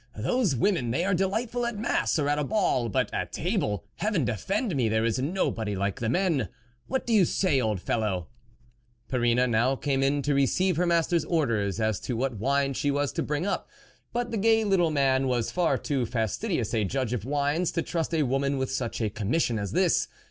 Those women, they are delightful at mass or at a ball ; but at table, heaven defend me, there is nobody like the men 1 What do you say, old fellow ?" Perrine now came in to receive her master's orders as to what wine she was to bring up. But the gay little man was far too fastidious a judge of wines to trust a woman with such a commission as this.